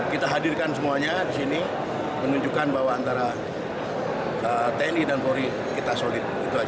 kita hadirkan semuanya di sini menunjukkan bahwa antara tni dan polri kita solid